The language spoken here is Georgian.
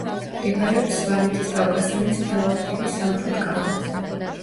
მდებარეობს სვანეთის კავკასიონის მთავარი ქედის სამხრეთ კალთაზე.